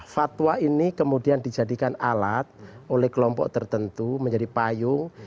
fatwa ini kemudian dijadikan alat oleh kelompok tertentu menjadi payung